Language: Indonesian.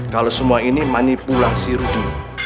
kalau semua ini manipulasi rudy